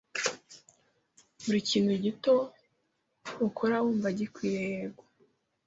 Buri kintu gito ukora wumva gikwiye, yego